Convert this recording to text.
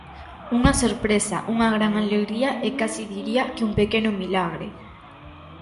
Unha sorpresa, unha gran alegría e case diría que un pequeno milagre.